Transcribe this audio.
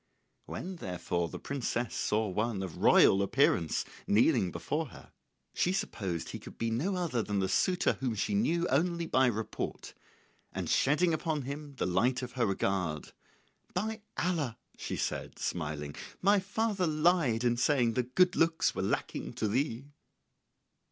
When therefore the princess saw one of royal appearance kneeling before her she supposed he could be no other than the suitor whom she knew only by report, and shedding upon him the light of her regard, "By Allah," she said, smiling, "my father lied in saying that good looks were lacking to thee!"